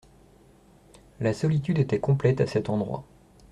La solitude était complète à cet endroit.